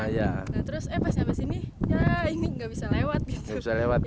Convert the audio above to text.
nah terus pas nyampe sini ya ini gak bisa lewat gitu